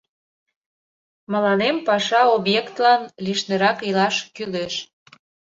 — Мыланем паша объектлан лишнырак илаш кӱлеш.